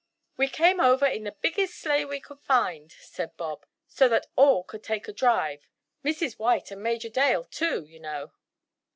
"We came over in the biggest sleigh we could find," said Bob, "so that all could take a drive—Mrs. White and Major Dale too, you know."